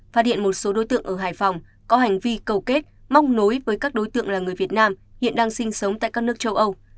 phát hiện một số đối tượng ở hải phòng có hành vi cầu kết mong nối với các đối tượng là người việt nam hiện đang sinh sống tại các nước châu âu